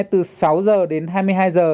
từ sáu h đến hai mươi hai h